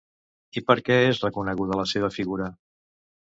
I per què és reconeguda la seva figura?